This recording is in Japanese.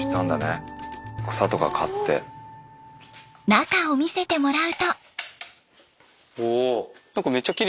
中を見せてもらうと。